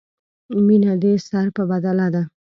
مینه دې سر په بدله ده.